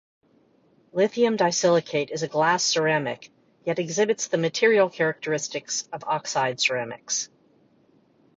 Lithium disilicate is a glass ceramic, yet exhibits the material characteristics of oxide ceramics.